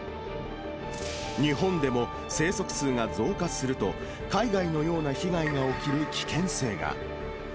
日本でも、生息数が増加すると、海外のような被害が起きる危険性が。